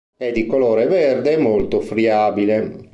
È di colore verde e molto friabile.